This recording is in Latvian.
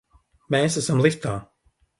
Mēs esam liftā!